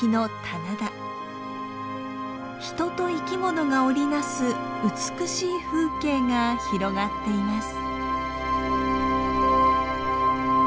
人と生き物が織り成す美しい風景が広がっています。